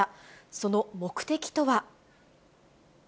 その目的とは。